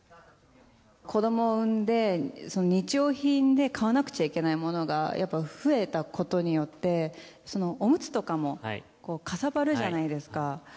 子どもを産んで、日用品で買わなくちゃいけないものが、やっぱ増えたことによって、そのおむつとかも、かさばるじゃないですか。